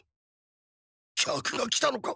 客が来たのか！？